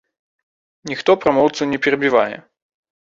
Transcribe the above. Ніхто прамоўцу не перабівае.